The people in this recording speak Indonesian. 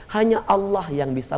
hanya allah yang bisa